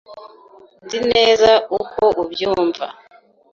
Nzi neza uko ubyumva.